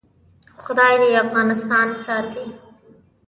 خدای دې افغانستان ساتي